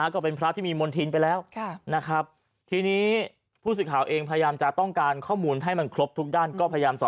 ขณะที่พระพญราชาญ๓๐๐ศ